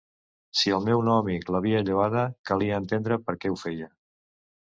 Si el meu nou amic l'havia lloada, calia entendre per què ho feia.